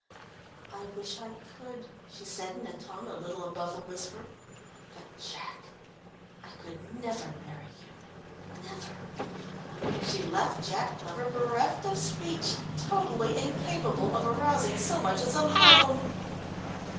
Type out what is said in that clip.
"I wish I could," she said in a tone a little above a whisper, "but, Jack, I could never marry you, never!" She left Jack Glover bereft of speech, totally incapable of arousing so much as a moan.